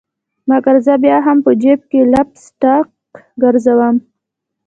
مګر زه بیا هم په جیب کي لپ سټک ګرزوم